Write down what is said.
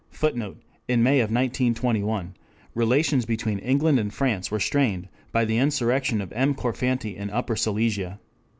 [Footnote: In May of 1921, relations between England and France were strained by the insurrection of M. Korfanty in Upper Silesia.